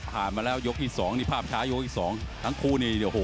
ผ่านมาแล้วยกที่๒ทั้งคู่